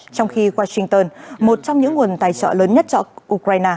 trong khi washington một trong những nguồn tài trợ lớn nhất cho ukraine